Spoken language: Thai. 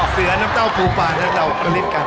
เสือน้ำเต้าปูปลานั้นเราก็เล่นกัน